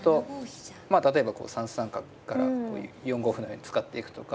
例えばこう３三角から４五歩のように使っていくとか。